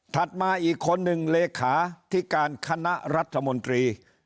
ถัดมาอีกคน๑เลขาที่การคณะรัฐมนตรี